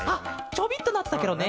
ちょびっとなってたケロね。